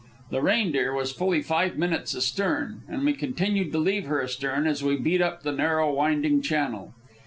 The Reindeer was fully five minutes astern, and we continued to leave her astern as we beat up the narrow, winding channel.